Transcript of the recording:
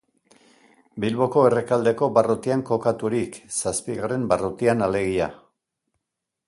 Bilboko Errekaldeko barrutian kokaturik, zazpigarren barrutian alegia.